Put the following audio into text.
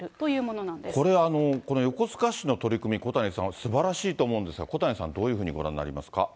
これ、この横須賀市の取り組み、小谷さん、すばらしいと思うんですが、小谷さん、どういうふうにご覧になりますか。